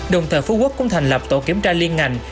đồng thời phú quốc cũng thành lập tổ kiểm tra liên ngành